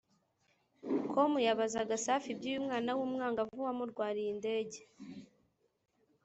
com yabazaga Safi iby’uyu mwana w’umwangavu wamurwariye indege